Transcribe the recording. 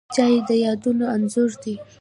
چای د یادونو انځور دی